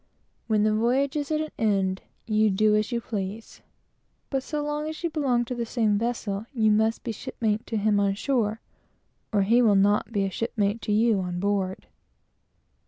When the voyage is at an end, you may do as you please, but so long as you belong to the same vessel, you must be a shipmate to him on shore, or he will not be a shipmate to you on board.